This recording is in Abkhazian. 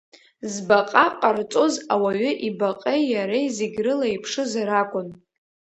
Збаҟа ҟарҵоз ауаҩы ибаҟеи иареи зегьрыла еиԥшызар акәын.